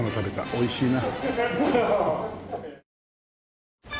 おいしいな。